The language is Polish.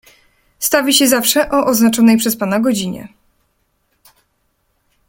"Stawi się zawsze o oznaczonej przez pana godzinie."